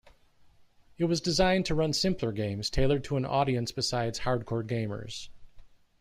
It was designed to run simpler games tailored to an audience besides 'hardcore gamers'.